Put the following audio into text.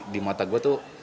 di mata gue tuh